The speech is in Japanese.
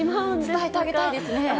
伝えてあげたいですね。